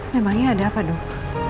memangnya ada apa dok